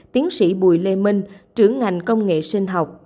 tiến sĩ bùi lê minh trưởng ngành công nghệ sinh học